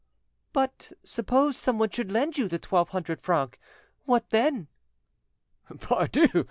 "But suppose someone should lend you the twelve hundred francs, what then?" "Pardieu!